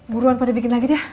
buruan pada bikin lagi deh